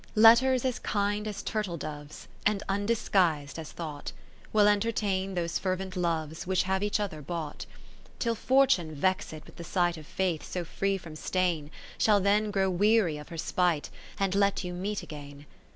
X Letters as kind as turtle doves, And undisguis'd as thought, Will entertain those fervent Loves Which have each other bought. 40 XI Till Fortune vexed with the sight Of Faith so free from stain. Shall then grow weary of her spite. And let you meet again.